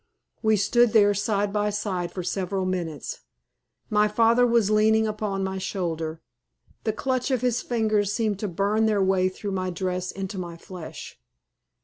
We stood there side by side for several minutes. My father was leaning upon my shoulder. The clutch of his fingers seemed to burn their way through my dress into my flesh.